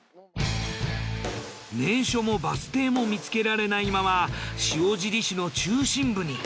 名所もバス停も見つけられないまま塩尻市の中心部に。